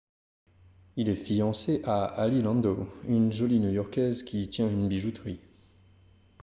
Il est fiancé à Ali Landow, une jolie New-Yorkaise qui tient une bijouterie.